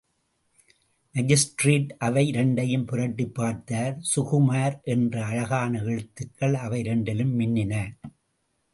Magistrate அவை இரண்டையும் புரட்டிப் பார்த்தார் சுகுமார் என்ற அழகான எழுத்துக்கள் அவை இரண்டிலும் மின்னின.